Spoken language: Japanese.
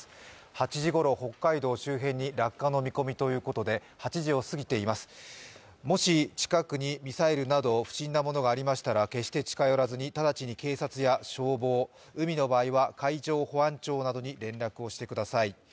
８時ごろ北海道周辺に落下の見込みということで、８時を過ぎています、もし近くにミサイルなど不審な物がありましたら決して近寄らずに直ちに警察や消防海の場合は海上保安庁などに連絡をしてください。